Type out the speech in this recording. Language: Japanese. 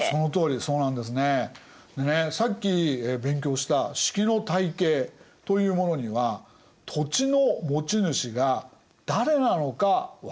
でねさっき勉強した職の体系というものには土地の持ち主が誰なのか分からん！